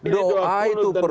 doa itu perlu